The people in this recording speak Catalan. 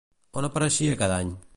On apareixia cada any?